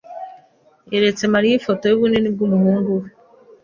yeretse Mariya ifoto yubunini bwumuhungu we.